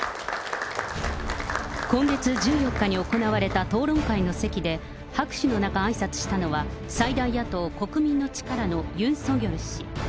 今月１４日に行われた討論会の席で、拍手の中、あいさつしたのは、最大野党・国民の力のユン・ソギョル氏。